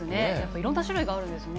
いろんな種類があるんですね。